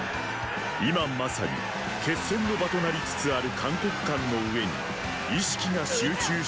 今まさに決戦の場となりつつある函谷関の上に意識が集中していたためである。